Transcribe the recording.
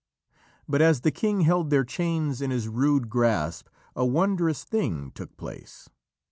But as the king held their chains in his rude grasp, a wondrous thing took place.